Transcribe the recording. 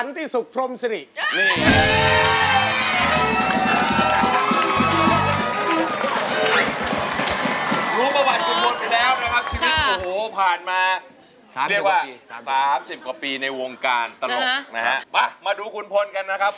เรียกว่า๓๐กว่าปีในวงการตลกนะครับป่ะมาดูคุณพลกันนะครับ